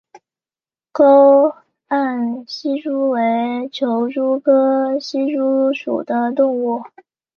沟岸希蛛为球蛛科希蛛属的动物。